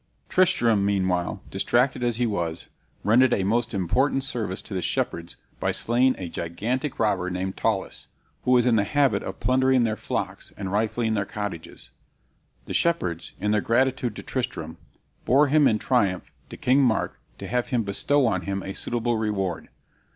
Tristram meanwhile, distracted as he was, rendered a most important service to the shepherds by slaying a gigantic robber named Taullas, who was in the habit of plundering their flocks and rifling their cottages. The shepherds, in their gratitude to Tristram, bore him in triumph to King Mark to have him bestow on him a suitable reward.